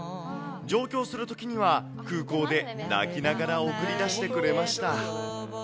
上京するときには、空港で泣きながら送り出してくれました。